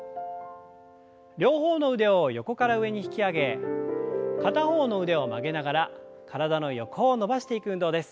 両方の腕を横から上に引き上げ片方の腕を曲げながら体の横を伸ばしていく運動です。